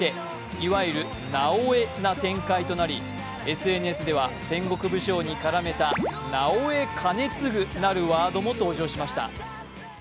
いわゆるなおエな展開になりＳＮＳでは戦国武将に絡めた「なおエ兼続」なるワードも登場しました。